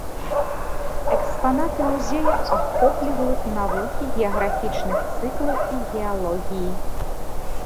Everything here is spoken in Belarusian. Экспанаты музея ахопліваюць навукі геаграфічных цыклаў і геалогіі.